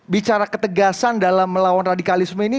bicara ketegasan dalam melawan radikalisme ini